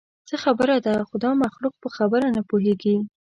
څه خبره ده؟ خو دا مخلوق په خبره نه پوهېږي.